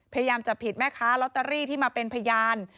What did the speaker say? พยายามจับผิดแม่ค้าลอตเตอรี่ที่มาเป็นพยาน